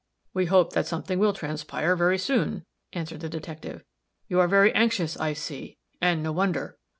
"We hope that something will transpire, very soon," answered the detective. "You are very anxious, I see and no wonder."